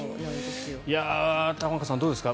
玉川さん、どうですか？